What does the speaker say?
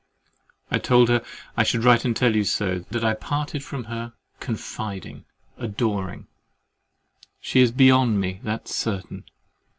I told her I should write and tell you so, and that I parted from her, confiding, adoring!—She is beyond me, that's certain.